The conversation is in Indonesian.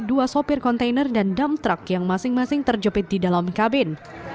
dua sopir kontainer dan dump truck yang masing masing terjepit di dalam kabin